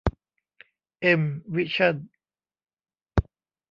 เอ็ม วิชั่น